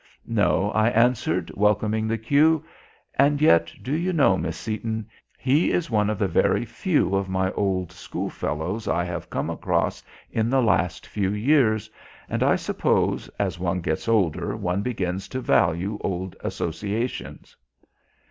"No," I answered, welcoming the cue, "and yet, do you know, Miss Seaton, he is one of the very few of my old schoolfellows I have come across in the last few years, and I suppose as one gets older one begins to value old associations...."